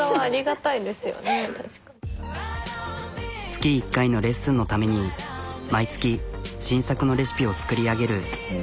月１回のレッスンのために毎月新作のレシピを作り上げる。